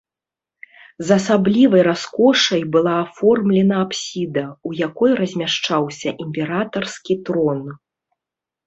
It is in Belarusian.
З асаблівай раскошай была аформлена апсіда, у якой размяшчаўся імператарскі трон.